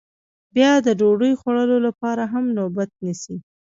بیا د ډوډۍ خوړلو لپاره هم نوبت نیسي